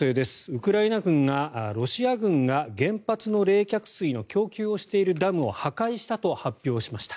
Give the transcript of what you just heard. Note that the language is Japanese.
ウクライナ軍がロシア軍が原発の冷却水の供給をしているダムを破壊したと発表しました。